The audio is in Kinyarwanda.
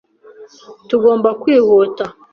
Ntugomba kwihuta.